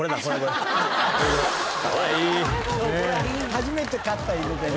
初めて飼ったイヌでね。